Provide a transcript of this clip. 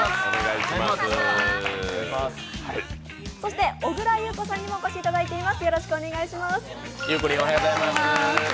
そして小倉優子さんにもお越しいただいています。